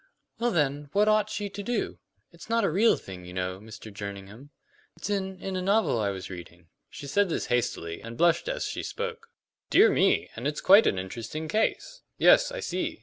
"Well then, what ought she to do? It's not a real thing, you know, Mr. Jerningham. It's in in a novel I was reading." She said this hastily, and blushed as she spoke. "Dear me! And it's quite an interesting case! Yes, I see.